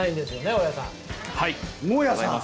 大矢さん！